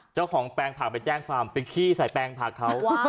เจ้าของแปลงผักไปแจ้งความไปขี้ใส่แปลงผักเขา